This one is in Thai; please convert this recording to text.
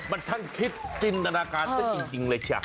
มันช่างคิดจินตนาการซะจริงเลยจ้ะ